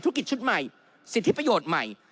ธุรกิจชุดใหม่สิทธิประโยชน์ใหม่